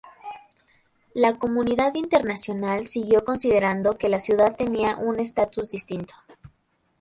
La comunidad internacional siguió considerando que la ciudad tenía un estatus distinto.